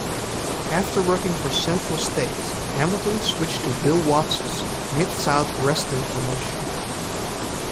After working for Central States Hamilton switched to Bill Watts' Mid-South Wrestling promotion.